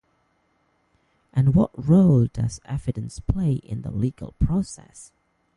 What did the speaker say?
And what role does evidence play in the legal process?